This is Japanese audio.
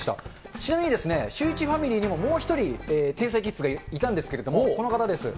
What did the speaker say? ちなみに、シューイチファミリーにももう１人、天才キッズがいたんですけれども、この方です。